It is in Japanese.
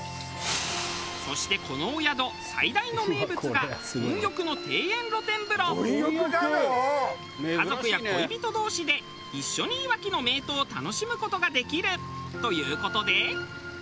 そしてこのお宿最大の名物が家族や恋人同士で一緒にいわきの名湯を楽しむ事ができるという事で。